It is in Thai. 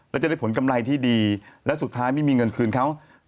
แล้วจะได้ผลกำไรที่ดีและสุดท้ายไม่มีเงินคืนเขา